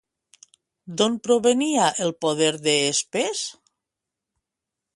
D'on provenia el poder de Spes?